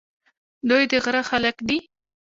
دوی د غره خلک دي.